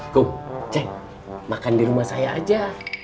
kum ceng makan di rumah saya aja